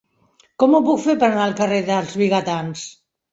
Com ho puc fer per anar al carrer dels Vigatans?